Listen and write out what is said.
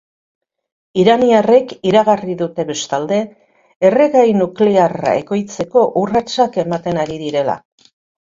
Iraniarrek iragarri dute bestalde, erregai nuklearra ekoizteko urratsak ematen ari direla.